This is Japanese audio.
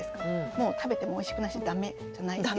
もう食べてもおいしくないし駄目じゃないですか。